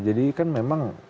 jadi kan memang